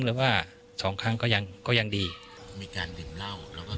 หรือว่าสองครั้งก็ยังก็ยังดีมีการดื่มเหล้าแล้วก็